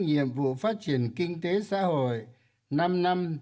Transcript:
nhiệm vụ phát triển kinh tế xã hội năm năm hai nghìn hai mươi một hai nghìn hai mươi năm